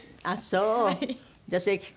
あっそう。